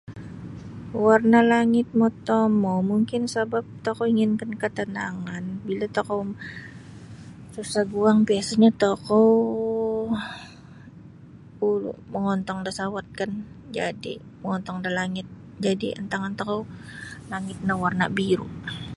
Warna' langit motomou mungkin sabap tokou inginkan katanangan bila tokou susah guang biasanyo tokou um mongontong da sawat kan jadi' mongontong da langit jadi' antangan tokou langit no warna biru'.